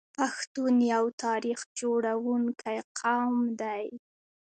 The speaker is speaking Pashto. پښتون یو تاریخ جوړونکی قوم دی.